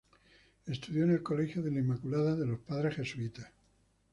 Estudió en el Colegio de la Inmaculada, de los padres jesuitas.